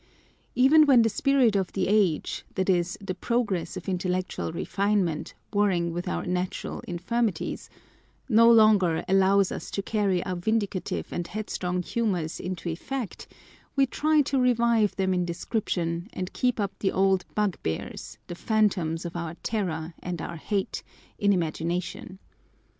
Even when the spirit of the age (that is, the progress of intellectual refinement, warring with our natural in firmities) no longer allows us to carry our vindictive and headstrong humours into effect, we try to revive them in description, and keep up the old bugbears, the phantoms of our terror and our hate, in imagination.